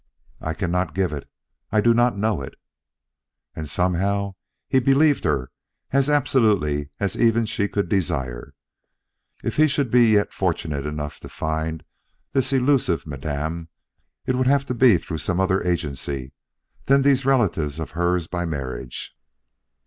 "I cannot give it; I do not know it." And somehow he believed her as absolutely as even she could desire. If he should yet be fortunate enough to find this elusive Madame, it would have to be through some other agency than these relatives of hers by marriage.